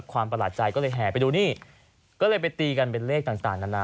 ประหลาดใจก็เลยแห่ไปดูนี่ก็เลยไปตีกันเป็นเลขต่างนานา